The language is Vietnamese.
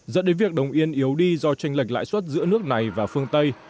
dẫn đến việc đồng yên yếu đi do tranh lệch lãi suất giữa nước này và phương tây